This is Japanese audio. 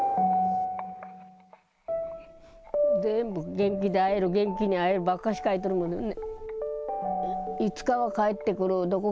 全部、元気で会える、元気で会えるばっかし書いとるもんね。